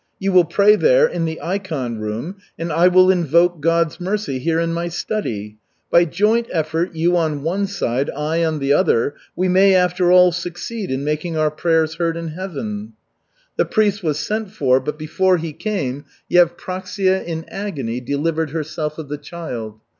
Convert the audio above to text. You will pray there, in the ikon room, and I will invoke God's mercy here in my study. By joint effort, you on one side, I on the other, we may after all succeed in making our prayers heard in Heaven." The priest was sent for, but before he came, Yevpraksia, in agony, delivered herself of the child.